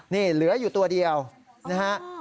นี่เหลืออยู่ตัวเดียวนะฮะ